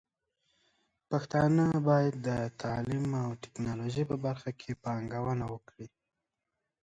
پښتانه بايد د تعليم او ټکنالوژۍ په برخه کې پانګونه وکړي.